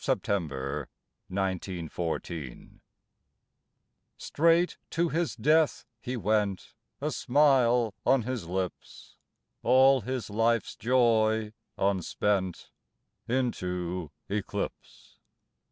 14^ September 1914) STRAIGHT to his death he went, A smile on his lips, All his life's joy unspent, Into eclipse.